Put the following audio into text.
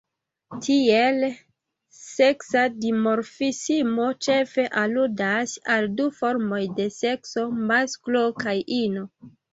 Tiele, seksa dimorfismo ĉefe aludas al du formoj de sekso, masklo kaj ino.